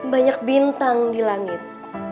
banyak bintang di langit